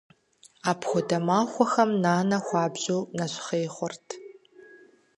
Апхуэдэ махуэхэм нанэ хуабжьу нэщхъей хъурт.